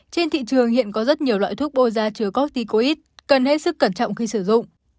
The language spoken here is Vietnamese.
trên thị trường hiện có rất nhiều loại thuốc bôi da chứa corticoid cần hết sức cẩn trọng khi sử dụng